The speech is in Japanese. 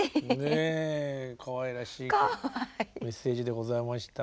ねえかわいらしいメッセージでございました。